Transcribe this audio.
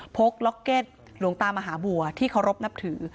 ล็อกเก็ตหลวงตามหาบัวที่เคารพนับถือ